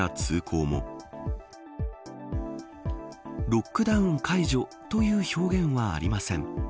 ロックダウン解除という表現はありません。